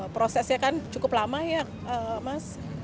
prosesnya kan cukup lama ya mas